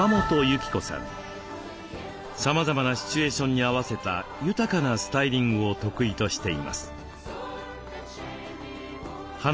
さまざまなシチュエーションに合わせた豊かなスタイリングを得意としています。